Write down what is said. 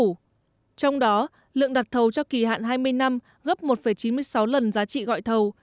trong đó lượng đặt thầu cho kỳ hạn hai mươi năm gấp một chín mươi sáu lần giá trị gọi thầu